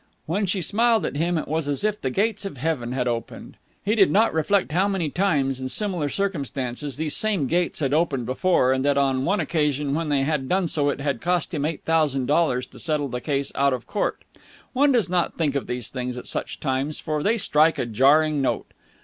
When she smiled at him, it was as if the gates of heaven had opened. He did not reflect how many times, in similar circumstances, these same gates had opened before; and that on one occasion when they had done so it had cost him eight thousand dollars to settle the case out of court. One does not think of these things at such times, for they strike a jarring note.